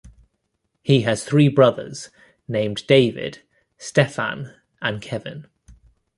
He has three brothers named David, Stephan and Kevin.